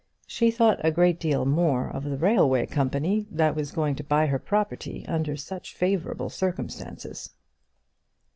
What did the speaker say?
She thought a great deal more of the railway company that was going to buy her property under such favourable circumstances.